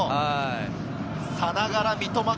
さながら三笘薫。